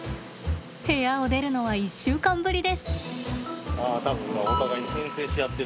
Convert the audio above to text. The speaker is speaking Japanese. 部屋を出るのは１週間ぶりです。